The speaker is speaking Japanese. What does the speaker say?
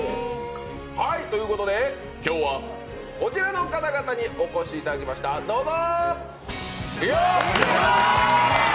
ということで今日はこちらの方々にお越しいただきました、どうぞ。